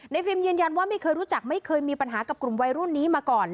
ฟิล์มยืนยันว่าไม่เคยรู้จักไม่เคยมีปัญหากับกลุ่มวัยรุ่นนี้มาก่อน